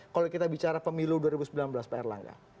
kalau kita bicara pemilu dua ribu sembilan belas pak erlangga